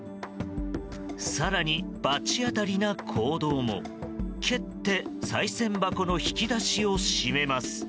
更に、罰当たりな行動も蹴って、さい銭箱の引き出しを閉めます。